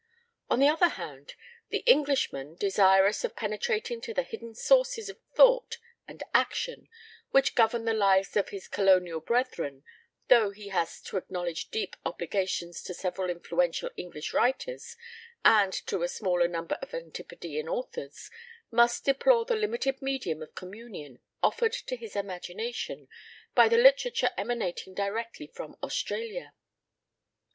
On the other hand, the Englishman desirous of penetrating to the hidden sources of thought and action which govern the lives of his colonial brethren, though he has to acknowledge deep obli gations to several influential English writers and to a smaller number of Antipodean authors, must deplore the limited medium of communion offered to his imagination by the literature emanating directly from Australia.